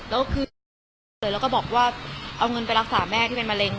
แล้วก็คือแล้วก็บอกว่าเอาเงินไปรักษาแม่ที่เป็นมะเร็ง